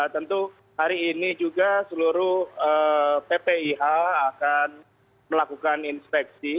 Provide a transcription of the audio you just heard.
tentu hari ini juga seluruh ppih akan melakukan inspeksi